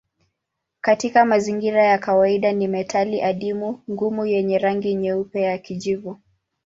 Katika mazingira ya kawaida ni metali adimu ngumu yenye rangi nyeupe ya kijivu.